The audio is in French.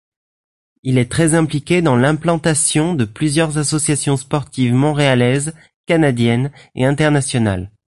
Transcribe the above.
Il est très impliqué dans l'implantation de plusieurs associations sportives montréalaises, canadiennes et internationales.